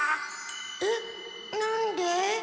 えっなんで？